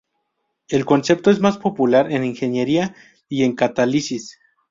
El concepto es más popular en ingeniería y en catálisis.